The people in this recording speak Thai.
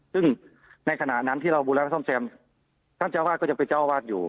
ซึ่งในขณะนั้นที่เราบูรณาซ่อมแซมท่านเจ้าบ้านก็จะไปเจ้าบ้านอยู่